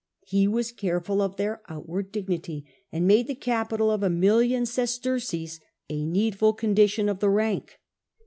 He was careful of their outward dignity, and made the capital of a million sesterces a needful condition of the rank.